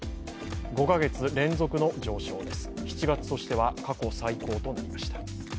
５か月連続の上昇です、７月としては過去最高となりました。